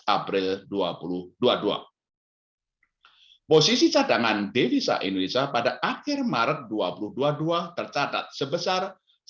april dua ribu dua puluh dua posisi cadangan devisa indonesia pada akhir maret dua ratus dua puluh dua tercatat sebesar satu ratus tiga puluh sembilan satu